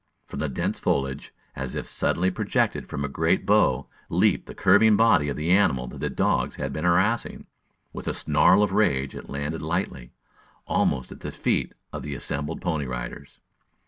From the dense foliage, as if suddenly projected from a great bow, leaped the curving body of the animal that the dogs had been harassing. With a snarl of rage it landed lightly, almost at the feet of the assembled Pony Riders.